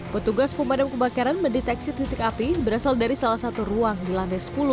petugas pemadam kebakaran mendeteksi titik api berasal dari salah satu ruang di lantai sepuluh